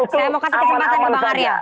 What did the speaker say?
saya mau kasih kesempatan ke bang arya